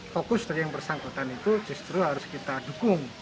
fokus dari yang bersangkutan itu justru harus kita dukung